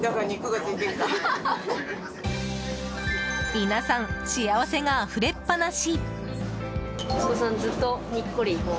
皆さん幸せがあふれっぱなし。